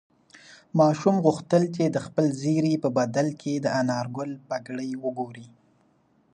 ماشوم غوښتل چې د خپل زېري په بدل کې د انارګل پګړۍ وګوري.